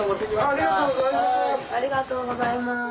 ありがとうございます。